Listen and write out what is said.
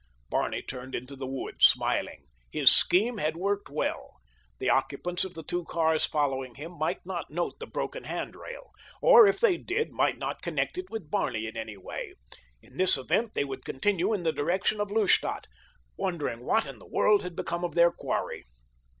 Barney turned into the wood smiling. His scheme had worked well. The occupants of the two cars following him might not note the broken handrail, or, if they did, might not connect it with Barney in any way. In this event they would continue in the direction of Lustadt, wondering what in the world had become of their quarry.